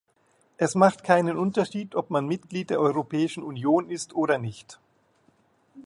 Es macht keinen Unterschied, ob man Mitglied der Europäischen Union ist oder nicht.